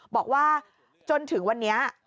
บอกว่าจนถึงวันนี้